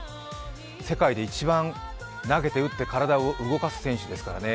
世界で一番投げて、打って、体を動かす選手ですからね。